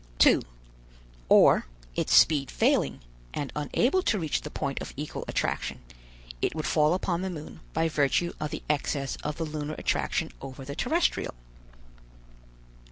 2. Or, its speed failing, and unable to reach the point of equal attraction, it would fall upon the moon by virtue of the excess of the lunar attraction over the terrestrial.